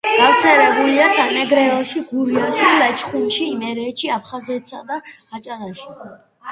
გავრცელებულია სამეგრელოში, გურიაში, ლეჩხუმში, იმერეთში, აფხაზეთსა და აჭარაში.